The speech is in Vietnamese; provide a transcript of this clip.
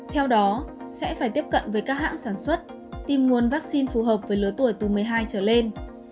theo đó sẽ phải tiếp cận với các hãng sản xuất tìm nguồn vaccine phù hợp với lứa tuổi từ một mươi hai trở lên